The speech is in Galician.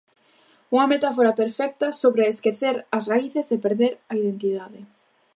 Unha metáfora perfecta sobre esquecer as raíces e perder a identidade.